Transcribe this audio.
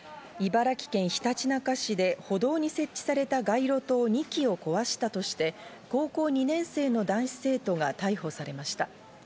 茨城県ひたちなか市で歩道に設置された街路灯２基を壊したとして、高校２年生の男子生徒が逮捕されました。